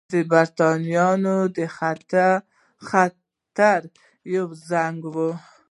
دا برېټانویانو ته د خطر یو زنګ وو.